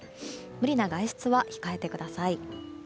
無理な外出は控えてください。